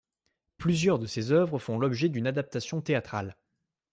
Plusieurs de ses œuvres font l'objet d'une adaptation théâtrale.